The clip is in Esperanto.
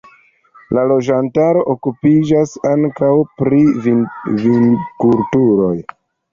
La loĝantaro okupiĝas ankaŭ pri vinkulturo.